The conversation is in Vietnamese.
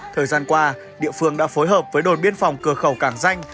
thời gian qua địa phương đã phối hợp với đồn biên phòng cửa khẩu cảng danh